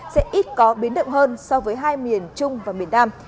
sẽ ít có biến động hơn so với hai miền trung và miền nam